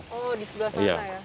oh di sebelah sana ya